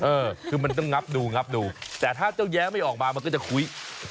เออคือมันต้องงับดูงับดูแต่ถ้าเจ้าแย้ไม่ออกมามันก็จะคุย